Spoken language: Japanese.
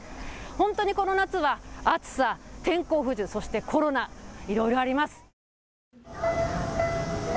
本当にこの夏は暑さ、天候不順、そしてコロナ、いろいろあります。